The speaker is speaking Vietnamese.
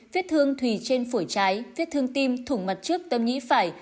vết thương thùy trên phổi trái vết thương tim thủng mặt trước tâm nhĩ phải